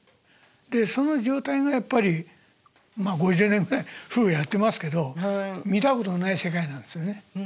でその状態がやっぱりまあ５０年ぐらい夫婦やってますけど見たことのない世界なんですよね。